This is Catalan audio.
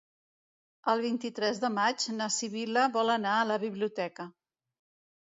El vint-i-tres de maig na Sibil·la vol anar a la biblioteca.